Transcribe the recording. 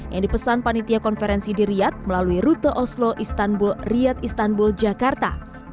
yang dipesan panitia konferensi di riyad melalui rute oslo istanbul riyad istanbul jakarta